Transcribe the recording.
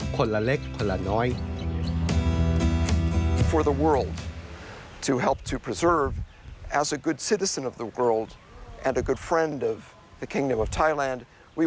คนละเล็กคนละน้อย